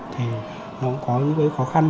thì nó cũng có những khó khăn